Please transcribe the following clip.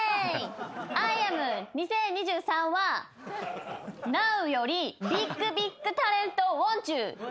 アイアム２０２３はナウよりビッグビッグタレントウォンチュー！